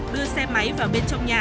đưa xe máy vào bên trong nhà